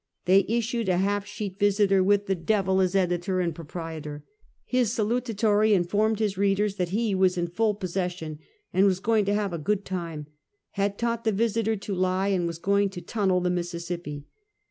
They issued a half sheet Visiter, with "the Devil" as editor and proprietor. His salutatory informed his readers, that he was in full possession and was going to have a good tune; had taught the Visiter to lie, and was going to tunnel the Mississippi.